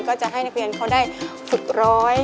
ก็จะให้นักเรียนเขาได้ฝึกร้อย